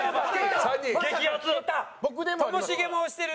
ともしげも推してる？